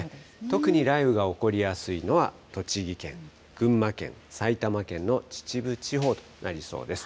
特に雷雨が起こりやすいのは栃木県、群馬県、埼玉県の秩父地方となりそうです。